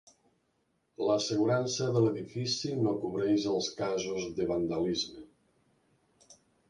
L'assegurança de l'edifici no cobreix els casos de vandalisme.